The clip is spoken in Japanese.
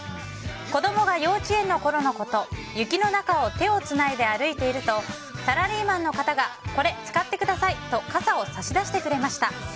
子供が幼稚園のころのこと雪の中を手をつないで歩いているとサラリーマンの方がこれ、使ってくださいと傘を差しだしてくれました。